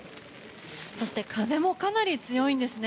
そして風もかなり強いんですね。